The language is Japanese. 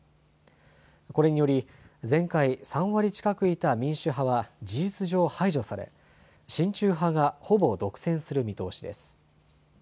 これにより前回３割近くいた民主派は事実上排除され、親中派がほぼ独占する見通しです。